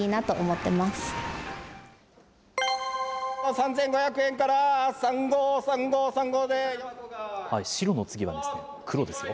３５００円から３、白の次は黒ですよ。